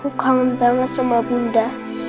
karena aku kangen banget sama bunda